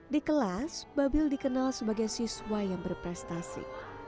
di kelas babil dikenal sebagai siswa yang berprestasi